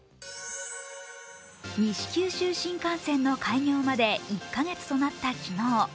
西九州新幹線の開業まで１カ月となった昨日。